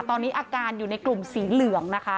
ตอนนี้อาการอยู่ในกลุ่มสีเหลืองนะคะ